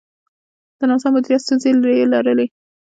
د ناسم مدیریت ستونزې یې لرلې.